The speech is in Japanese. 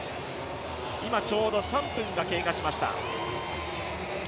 今、ちょうど３分が経過しました。